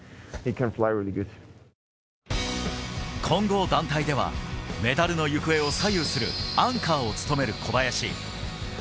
混合団体ではメダルの行方を左右するアンカーを務める小林。